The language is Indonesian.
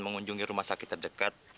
mengunjungi rumah sakit terdekat